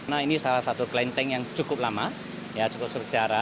nah ini salah satu klenteng yang cukup lama cukup berjara